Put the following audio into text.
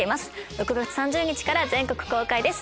６月３０日から全国公開です